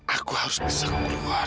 aku harus bisa keluar